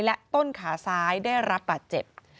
และต้นขาซ้ายได้รับบาดเจ็บ